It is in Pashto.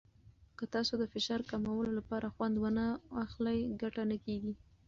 که تاسو د فشار کمولو لپاره خوند ونه واخلئ، ګټه نه کېږي.